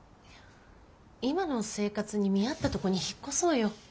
今の生活に見合ったとこに引っ越そうよ。